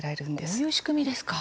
こういう仕組みですか。